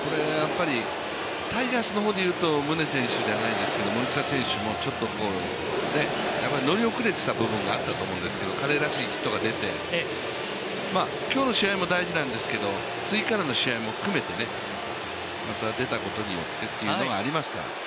タイガースの方で言うと、宗選手じゃないけど森下選手もちょっと、乗り遅れた部分があったと思うんですけど彼らしいヒットが出て今日の試合も大事なんですけど次からの試合も含めて、また出たことによってということもありますから。